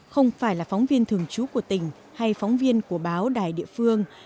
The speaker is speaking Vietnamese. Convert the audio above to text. không phải là phóng viên thường trú của tỉnh hay phóng viên của báo đài địa phương